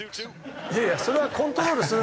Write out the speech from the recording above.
いやいやそれはコントロールするんで。